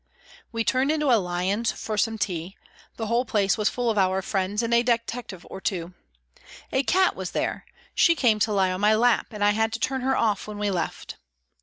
We turned into a " Lyons " for some tea, the whole place was full of our friends and a detective or two. A cat was there ; she came to lie on my lap and I had to turn her off when we left.